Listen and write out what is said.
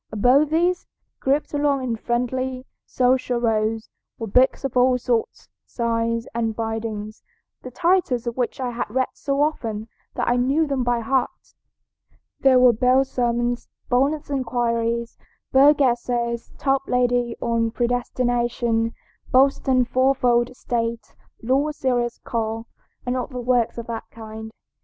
Above these, grouped along in friendly, social rows, were books of all sorts, sizes, and bindings, the titles of which I had read so often that I knew them by heart. There were Bell's Sermons, Bonnett's Inquiries, Bogue's Essays, Toplady on Predestination, Boston's Fourfold State, Law's Serious Call, and other works of that kind.